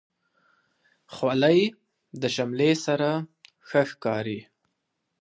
خولۍ د شملې سره ښه ښکاري.